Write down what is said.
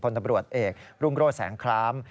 ตำรวจเอกรุ่งโรธแสงคราม